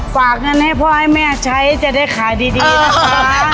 ฝากอุณหภะให้พ่อให้แม่คนที่ใช้ให้จะได้ขายดีนะคะ